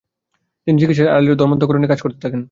তিনি চিকিৎসার আড়ালে ধর্মান্তকরণের কাজ করতে থাকেন ।